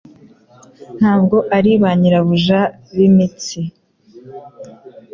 Ntabwo ari ba nyirabuja b'imitsi